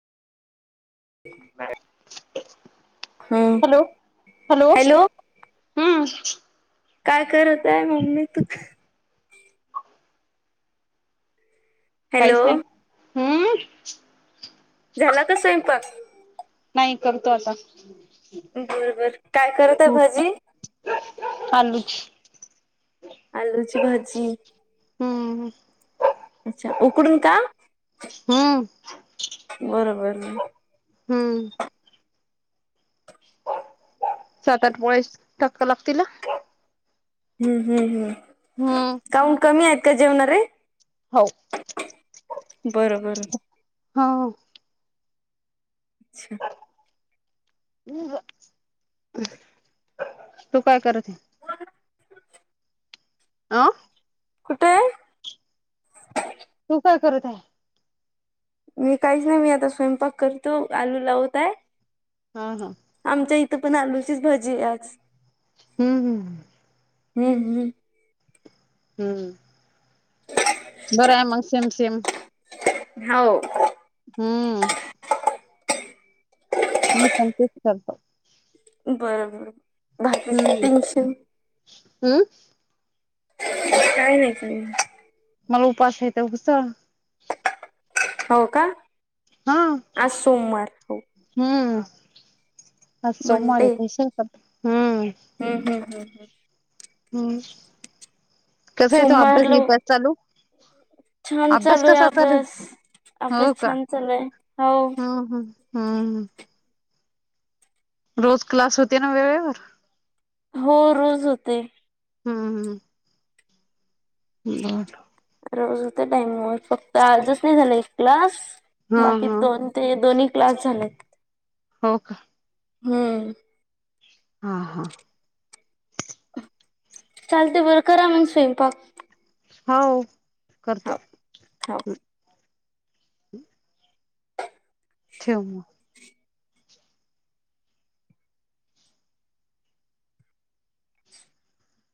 हम्म hello hello! हम्म काय करत आहे मम्मी तू हॅलो काहीच नाही हम्म. झाला का स्वयंपाक? नाही करतो आता. बरं बरं काय करता भाजी. आलूच आलूची भाजी हम्म हम्म अच्छा उकडून का हम्म बरोबर हम्म सात आठ पोळ्याच टाका लागतील ना? हम्म हम् हम् हम्म काहूंन कमी आहेत का जेवणारे हो बरं बरं हाव अच्छा तू काय करत हे [unintelligible] अं कुठे तू काय करत आहे मी काहीच नाही मी आता स्वयंपाक करतो आलू लावतं आहे हा हा आमच्या इथं पण आलूचीच भाजी हे आज हम्म हम्म हं हम्म हम्म हम्म बरं आहे मग सेम सेम हाव हम्म मी पण तेच करतो. बरोबर घातला की हम्म टेनशन. हम्म. काय नाय, काय नाय. मला उपाशी हेत हुस्स. हो का. हा आज सोमवार हो हम्म आज सोमवारी मंडे हाय सु हम्म. हम्म हम्म हम्म. हम्म कसाय तो अभ्यास सोमवारला बीभ्यास चालू? छान अभ्यास चालू आहे कसा चालू? अभ्यास अभ्यास हो का छान चालू आहे हो हम्म हम्म. हम्म हम्म. रोज क्लास होते ना वेळेवर. हो रोज होते. हम्म हम्म. बरं. रोज होतं टाइमिंगवर, फक्त आजच नाही झाला एक क्लास. बर हा बाकी हा दोन ते दोन्ही क्लास झालेत. हो का. हम्म. हा हा. चालते बरं करा मग स्वयंपाक. होव हो करतो. हो. ठेव मग.